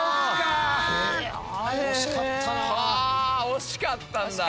惜しかったな。